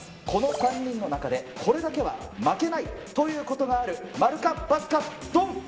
この３人の中でこれだけは負けないということがある、〇か×か、どん。